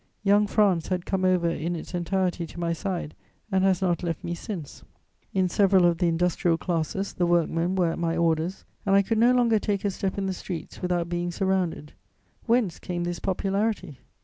Young France had come over in its entirety to my side and has not left me since. In several of the industrial classes, the workmen were at my orders, and I could no longer take a step in the streets without being surrounded. Whence came this popularity?